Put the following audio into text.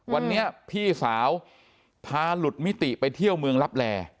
วันนี้พี่สาวพาหลุดมิติไปเที่ยวเมืองลับแล